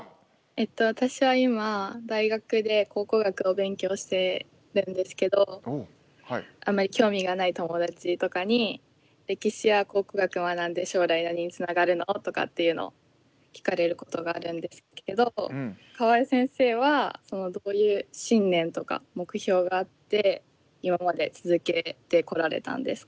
えっと私は今大学で考古学を勉強しているんですけどあまり興味がない友達とかに「歴史や考古学を学んで将来何につながるの？」とかっていうのを聞かれることがあるんですけど河江先生はどういう信念とか目標があって今まで続けてこられたんですか？